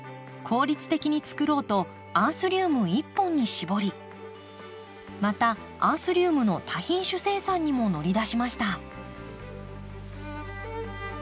効率的につくろうとアンスリウム一本に絞りまたアンスリウムの多品種生産にも乗り出しました。